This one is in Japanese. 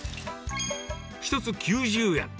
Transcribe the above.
１つ９０円。